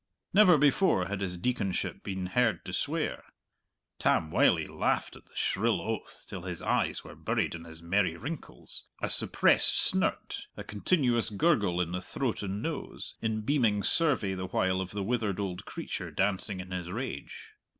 Never before had his deaconship been heard to swear. Tam Wylie laughed at the shrill oath till his eyes were buried in his merry wrinkles, a suppressed snirt, a continuous gurgle in the throat and nose, in beaming survey the while of the withered old creature dancing in his rage.